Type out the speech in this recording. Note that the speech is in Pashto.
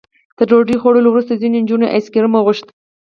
تر ډوډۍ خوړلو وروسته ځینو نجونو ایس کریم وغوښت.